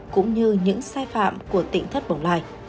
cũng như những sai phạm của tỉnh thất bồng lai